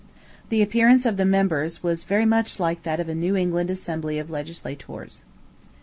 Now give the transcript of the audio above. The appearance of the members was very much like that of a New England assembly of legislators.